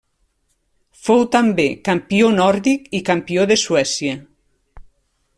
Fou també Campió Nòrdic i Campió de Suècia.